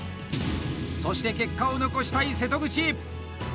そして結果を残したい瀬戸口！